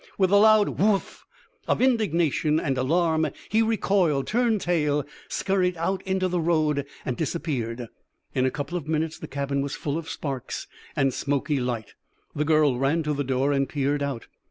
With a loud woo oof of indignation and alarm, he recoiled, turned tail, scurried out into the road, and disappeared. In a couple of minutes the cabin was full of sparks and smoky light. The girl ran to the door and peered out.